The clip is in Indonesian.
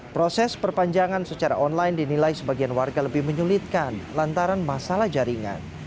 proses perpanjangan secara online dinilai sebagian warga lebih menyulitkan lantaran masalah jaringan